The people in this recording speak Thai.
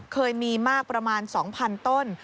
เคยมีมากประมาณ๒๐๐๐ต้น